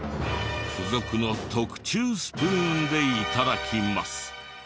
付属の特注スプーンで頂きます。